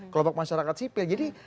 kelompok masyarakat sipil jadi